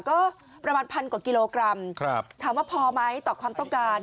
ก็ประมาณพันกว่ากิโลกรัมถามว่าพอไหมต่อความต้องการ